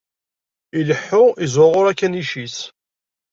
Ileḥḥu, iẓẓuɣuṛ akanic-is.